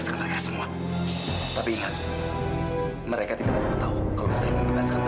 jangan selalu teleportasi saya ke ilmu kesel